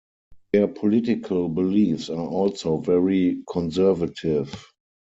Their political beliefs are also very conservative.